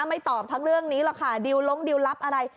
ไม่ตอบทั้งเรื่องนี้หรอกค่ะดิวลงดิวลับอะไร